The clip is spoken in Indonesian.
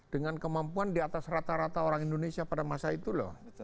dengan kemampuan di atas rata rata orang indonesia pada masa itu loh